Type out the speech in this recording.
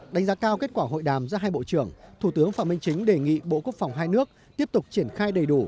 đánh giá cao kết quả hội đàm giữa hai bộ trưởng thủ tướng phạm minh chính đề nghị bộ quốc phòng hai nước tiếp tục triển khai đầy đủ